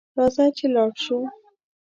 راځه چې لاړشوو